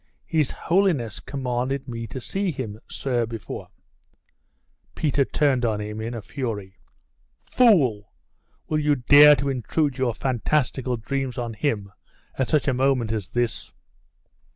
'His holiness commanded me to see him, sir, before ' Peter turned on him in a fury. 'Fool! will you dare to intrude your fantastical dreams on him at such a moment as this?